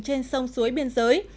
trên sông suối biên giới